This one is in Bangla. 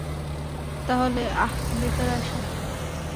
তাহলে, আহ, ভেতরে আসো।